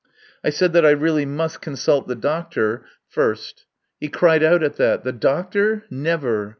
I said that I really must consult the doctor first. He cried out at that. The doctor! Never!